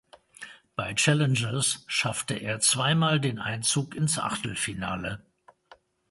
Bei Challengers schaffte er zweimal den Einzug ins Achtelfinale.